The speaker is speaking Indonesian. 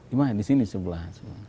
imam yang disini sebelah